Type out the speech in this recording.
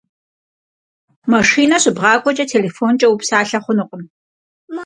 Машинэ щыбгъакӏуэкӏэ телефонкӏэ упсалъэ хъунукъым.